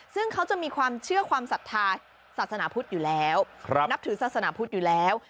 ซึ่งเขาจะมีความเชื่อความศรัทธาศาสนาพุทธอยู่แล้วนับถือศาสนาพุทธอยู่แล้ว